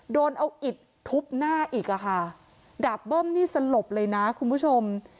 โดนเอาอิดทุบหน้าอีกอ่ะค่ะดาบเบิ้มนี่สลบเลยนะคุณผู้ชม